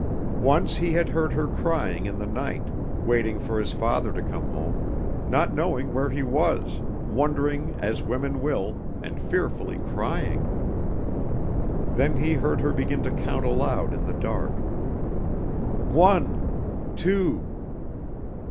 Once he had heard her crying in the night, waiting for his father to come home, not knowing where he was, wondering as women will, and fearfully crying. Then he heard her begin to count aloud in the dark: "One, two.